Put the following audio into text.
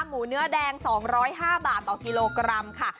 หมูเนื้อแดง๒๐๕บาทต่อกิโลกรัมค่ะ